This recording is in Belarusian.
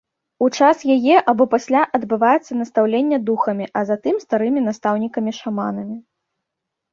У час яе або пасля адбываецца настаўленне духамі, а затым старымі настаўнікамі-шаманамі.